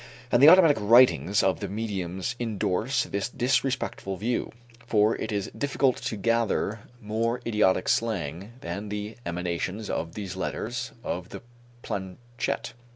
And the automatic writings of the mediums indorse this disrespectful view, for it is difficult to gather more idiotic slang than the emanations of these letters of the planchette.